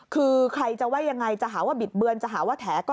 คือใครจะว่ายังไงจะหาว่าบิดเบือนจะหาว่าแถก็